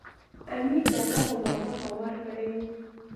امیر د هغه په وعده باور کړی و.